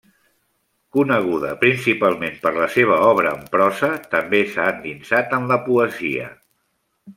Coneguda principalment per la seva obra en prosa, també s'ha endinsat en la poesia.